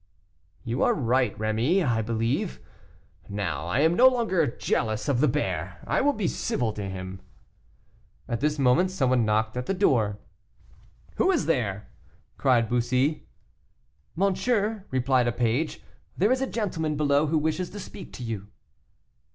"You are right, Rémy, I believe. Now I am no longer jealous of the bear, I will be civil to him." At this moment some one knocked at the door. "Who is there?" cried Bussy. "Monsieur," replied a page, "there is a gentleman below who wishes to speak to you."